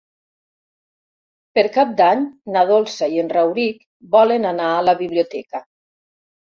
Per Cap d'Any na Dolça i en Rauric volen anar a la biblioteca.